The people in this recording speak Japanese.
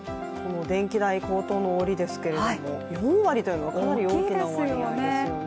電気代高騰の折ですけれども、４割というのはかなり大きな割合ですね。